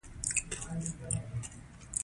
د شش درک پر لوی سړک یو نوی پکول پروت و.